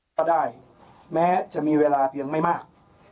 ก็ได้แม้จะมีเวลาเพียงไม่มาก